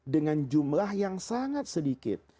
dengan jumlah yang sangat sedikit